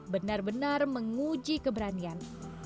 benar benar menguji keberanian